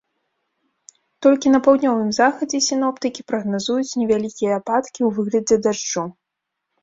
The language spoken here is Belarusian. Толькі на паўднёвым захадзе сіноптыкі прагназуюць невялікія ападкі ў выглядзе дажджу.